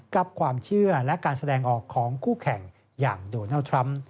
กับความเชื่อและการแสดงออกของคู่แข่งอย่างโดนัลด์ทรัมป์